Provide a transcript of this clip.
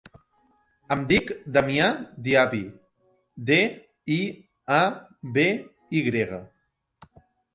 Em dic Damià Diaby: de, i, a, be, i grega.